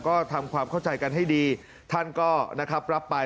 ก็ทำความเข้าใจกันให้ดีท่านก็นะครับรับไป